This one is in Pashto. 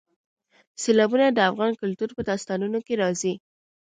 سیلابونه د افغان کلتور په داستانونو کې راځي.